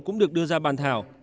cũng được đưa ra bàn thang